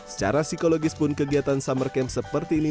secara psikologis pun kegiatan summer camp seperti ini